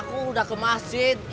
tidak ada ada